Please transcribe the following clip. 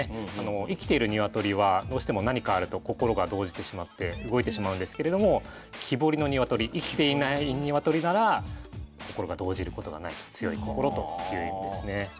生きている鶏はどうしても何かあると心が動じてしまって動いてしまうんですけれども木彫りの鶏生きていない鶏なら心が動じることがなく強い心という意味ですね。